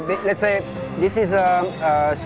ini sangat indonesia